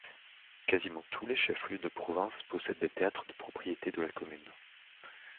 Quasiment tous les chefs-lieux de province possèdent des théâtres de propriété de la commune.